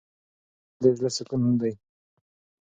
ریښتیا ویل د زړه سکون دی.